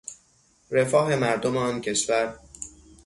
رفاه مردم آن کشور